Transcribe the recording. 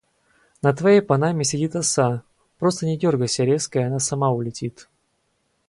На твоей панаме сидит оса. Просто не дёргайся резко и она сама улетит.